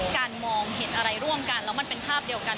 มองเห็นอะไรร่วมกันแล้วมันเป็นภาพเดียวกัน